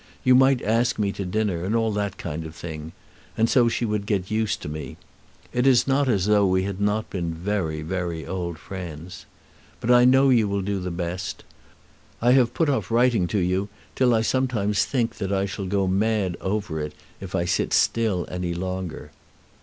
You might ask me to dinner, and all that kind of thing, and so she would get used to me. It is not as though we had not been very, very old friends. But I know you will do the best. I have put off writing to you till I sometimes think that I shall go mad over it if I sit still any longer.